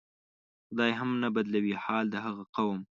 خدای هم نه بدلوي حال د هغه قوم